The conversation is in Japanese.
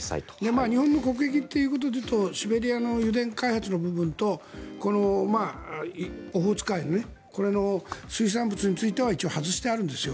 日本の国益ということで言うとシベリアの油田開発の部分とオホーツク海の水産物については一応外してあるんですよ。